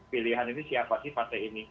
pilihan ini siapa sih partai ini